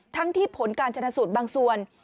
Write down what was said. ที่ผลการชนะสูตรบางส่วน